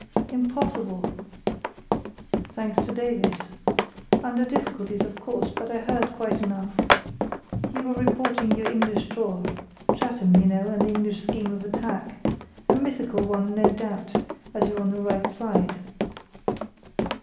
"Impossible!" "Thanks to Davies. Under difficulties, of course, but I heard quite enough. You were reporting your English tour—Chatham, you know, and the English scheme of attack, a mythical one, no doubt, as you're on the right side!